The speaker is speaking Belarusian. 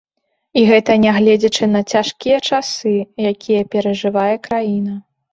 І гэта нягледзячы на цяжкія часы, якія перажывае краіна.